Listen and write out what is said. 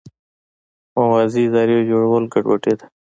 موازي ادارې جوړول ګډوډي ده.